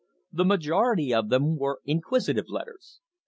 The majority of them were inquisitive letters.